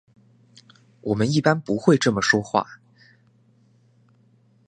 我们一般不会这么说话。